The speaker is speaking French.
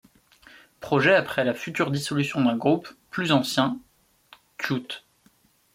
Project après la future dissolution d'un groupe plus ancien °C-ute.